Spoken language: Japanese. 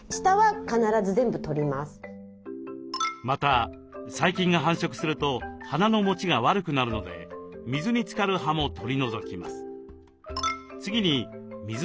また細菌が繁殖すると花のもちが悪くなるので水につかる葉も取り除きます。